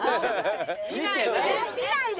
見ないで。